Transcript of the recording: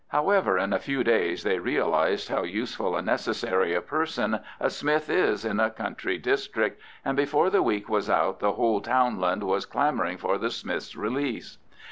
However, in a few days they realised how useful and necessary a person a smith is in a country district, and before the week was out the whole townland was clamouring for the smith's release.